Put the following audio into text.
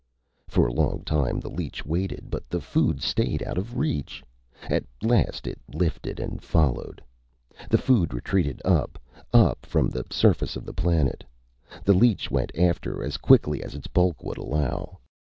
For a long time the leech waited, but the food stayed out of reach. At last, it lifted and followed. The food retreated, up, up from the surface of the planet. The leech went after as quickly as its bulk would allow.